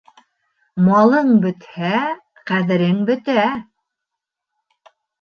Малың бөтһә, ҡәҙерең бөтә.